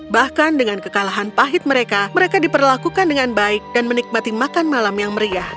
bahkan dengan kekalahan pahit mereka mereka diperlakukan dengan baik dan menikmati makan malam yang meriah